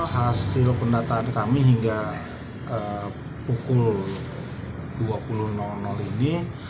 hasil pendataan kami hingga pukul dua puluh ini